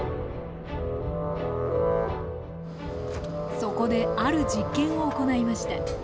そこである実験を行いました。